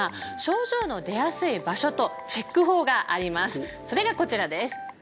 そのそれがこちらです